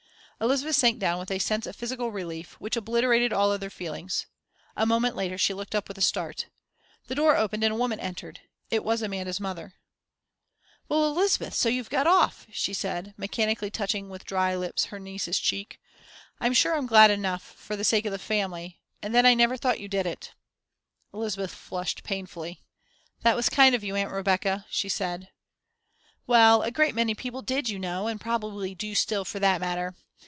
Elizabeth sank down with a sense of physical relief, which obliterated all other feelings. A moment later she looked up with a start. The door opened and a woman entered. It was Amanda's mother. "Well Elizabeth, so you've got off!" she said, mechanically touching with dry lips her niece's cheek. "I'm sure I'm glad enough, for the sake of the family. And then I never thought you did it." Elizabeth flushed painfully. "That was kind of you, Aunt Rebecca," she said. "Well, a great many people did, you know, and probably do still, for that matter.